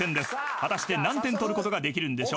［果たして何点取ることができるんでしょうか？］